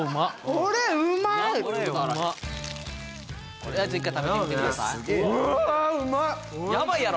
とりあえず一回食べてみてくださいやばいやろ？